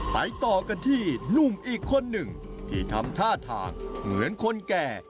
ต่อกันที่หนุ่มอีกคนหนึ่งที่ทำท่าทางเหมือนคนแก่